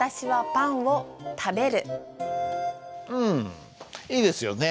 うんいいですよね。